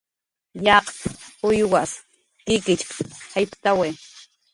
"Yaqp"" uywaq kikichp"" jayptawi"